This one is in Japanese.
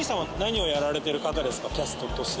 キャストとして。